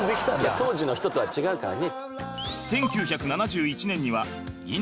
当時の人とは違うからね。